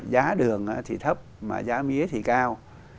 giá đường thì thấp mà giá mía thì cao